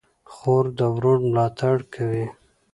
خور د ورور ملاتړ کوي.